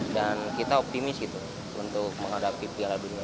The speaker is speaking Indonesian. dan kita optimis untuk menghadapi piala dunia